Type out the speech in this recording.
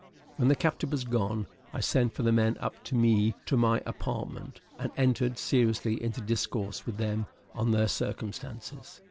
When the captain was gone, I sent for the men up to me to my apartment, and entered seriously into discourse with them on their circumstances.